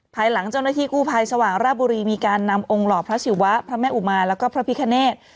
ภายหลังเจ้าหน้าที่กู้ภัยสว่างราบุรีมีการนำองค์หล่อพระศิวะพระแม่อุมาแล้วก็พระพิคเนธ